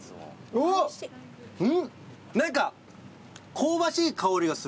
おっ何か香ばしい香りがする。